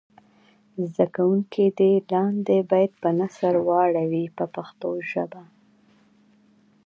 زده کوونکي دې لاندې بیت په نثر واړوي په پښتو ژبه.